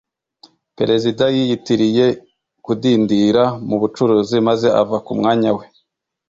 Perezida yiyitiriye kudindira mu bucuruzi maze ava ku mwanya we